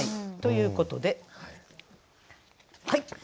ということではい。